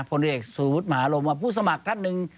ผลเอกสูตรมหารมว่าผู้สมัครท่านหนึ่ง